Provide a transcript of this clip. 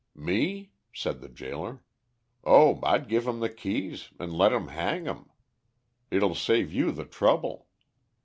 "Me?" said the gaoler. "Oh, I'd give 'em the keys, and let 'em hang him. It'll save you the trouble.